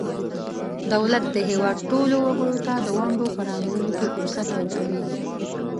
دولت د هیواد ټولو وګړو ته د ونډو په رانیولو کې فرصت ورکوي.